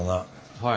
はい。